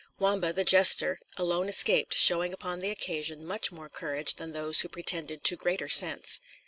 Wamba, the jester, alone escaped, showing upon the occasion much more courage than those who pretended to greater sense.